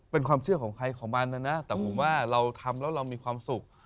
เป็นความเชื่อของใครของมันนะนะแต่ผมว่าเราทำแล้วเรามีความสุข